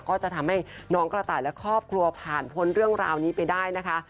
ก็จะทำให้น้องกระต่ายและครอบครัวผ่านพ้นเรื่องราวนี้ไปได้นะคะ